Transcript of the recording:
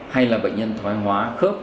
hay là bệnh nhân thói hóa khớp